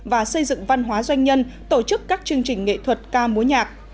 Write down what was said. và xây dựng văn hóa doanh nhân tổ chức các chương trình nghệ thuật ca múa nhạc